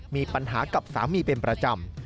มีปัญหากับสามีเป็นประจำ